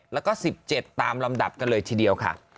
แล้วก็๑๗ตามลำดับกันเลยทีเดียวค่ะ